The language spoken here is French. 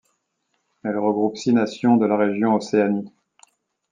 Elle regroupe six nations de la région Océanie.